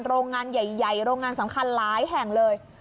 โรงงานใหญ่โรงงานสำคัญหลายแห่งเลย